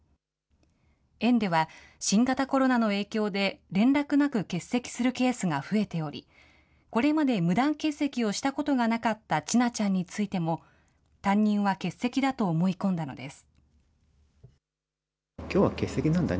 園では、新型コロナの影響で、連絡なく欠席するケースが増えており、これまで無断欠席をしたことがなかった千奈ちゃんについても、担任は欠席だと思い込んだのです。